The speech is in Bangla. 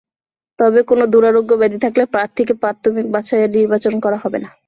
তবে কোনো দুরারোগ্য ব্যাধি থাকলে প্রার্থীকে প্রাথমিক বাছাইয়ে নির্বাচন করা হবে না।